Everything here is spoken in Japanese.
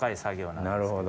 なるほど。